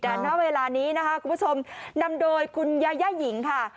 แต่ณเวลานี้นะคะคุณผู้ชมนำโดยคุณยาย่าหญิงค่ะ